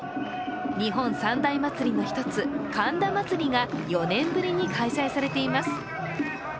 日本三大祭りの一つ、神田祭が４年ぶりに開催されています。